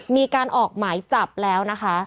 มีการออกหมายจับแล้วนะคะ